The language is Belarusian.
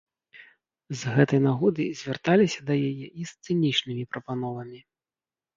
З гэтай нагоды звярталіся да яе і з цынічнымі прапановамі.